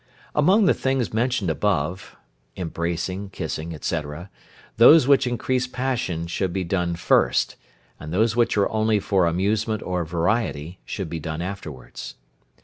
Among the things mentioned above, viz., embracing, kissing, etc., those which increase passion should be done first, and those which are only for amusement or variety should be done afterwards.